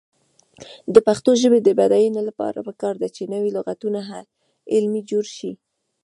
د پښتو ژبې د بډاینې لپاره پکار ده چې نوي لغتونه علمي جوړ شي.